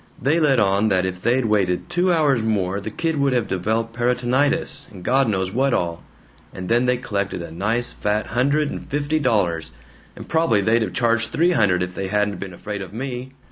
They let on that if they'd waited two hours more the kid would have developed peritonitis, and God knows what all; and then they collected a nice fat hundred and fifty dollars. And probably they'd have charged three hundred, if they hadn't been afraid of me!